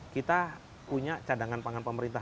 kita punya cadangan pangan pemerintah